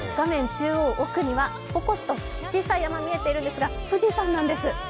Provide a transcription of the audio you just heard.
中央奥には、ぽこっと小さい山が見えているんですが、富士山なんです。